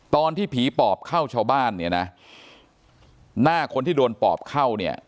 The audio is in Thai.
ตอนที่ผีปอบเข้าชาวบ้านเนี่ยนะหน้าคนที่โดนปอบเข้าเนี่ย